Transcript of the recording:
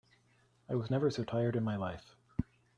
I was never so tired in my life.